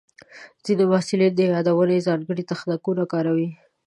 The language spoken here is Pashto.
ځینې محصلین د یادونې ځانګړي تخنیکونه کاروي.